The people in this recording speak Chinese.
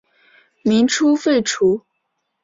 民初废除。